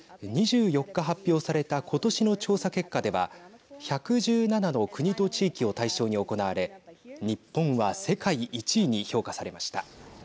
２４日、発表されたことしの調査結果では１１７の国と地域を対象に行われ日本は世界１位に評価されました。